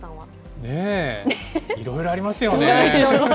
ねぇ、いろいろありますよね。